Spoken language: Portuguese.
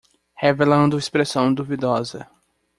Revelando expressão duvidosa